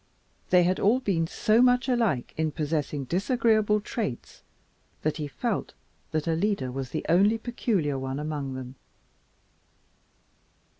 They had all been so much alike in possessing disagreeable traits that he felt that Alida was the only peculiar one among them.